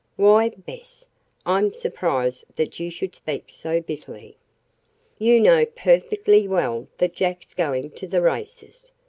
"Why, Bess! I'm surprised that you should speak so bitterly. You know perfectly well that Jack's going to the races.